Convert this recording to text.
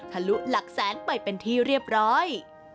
ลุหลักแสนไปเป็นที่เรียบร้อย